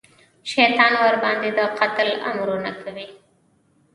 شیطان ورباندې د قتل امرونه کوي.